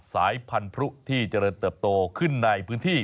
สายพันธุ์พลุที่จะเริ่มเติบโตขึ้นในพื้นที่